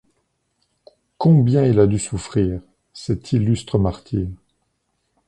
Combien il a dû souffrir, cet illustre martyr !